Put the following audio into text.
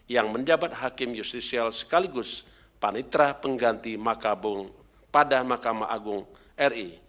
yang menjabat hakim justisial sekaligus panitra pengganti makabung pada mahkamah agung ri